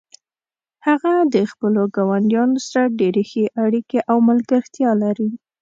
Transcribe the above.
هغه د خپلو ګاونډیانو سره ډیرې ښې اړیکې او ملګرتیا لري